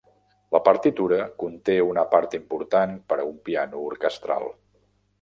La partitura conté una part important per a un piano orquestral.